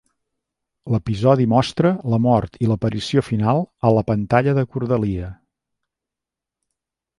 L'episodi mostra la mort i l'aparició final a la pantalla de Cordelia.